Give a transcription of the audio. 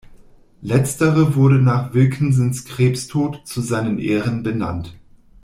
Letztere wurde nach Wilkinsons Krebstod zu seinen Ehren benannt.